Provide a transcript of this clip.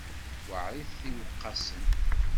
Weεrit iwqasen?